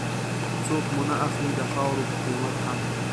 څوک مو نه اخلي د خاورو په قيمت هم